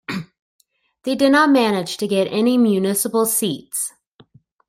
They did not manage to get any municipal seats.